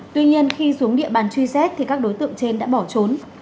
tuy nhiên khi xuống địa bàn truy xét thì các đối tượng trên đã bỏ trốn